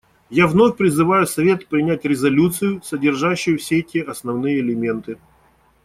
Я вновь призываю Совет принять резолюцию, содержащую все эти основные элементы.